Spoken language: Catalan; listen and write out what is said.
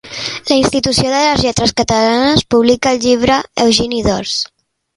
La Institució de les Lletres Catalanes publica el llibre Eugeni d'Ors.